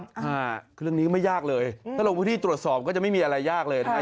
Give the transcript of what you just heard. อ่าคือเรื่องนี้ไม่ยากเลยถ้าลงพื้นที่ตรวจสอบก็จะไม่มีอะไรยากเลยนะครับ